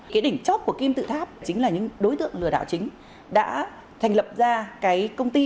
cái đỉnh chóp của kim tự tháp chính là những đối tượng lừa đảo chính đã thành lập ra cái công ty